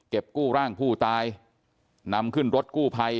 กู้ร่างผู้ตายนำขึ้นรถกู้ภัย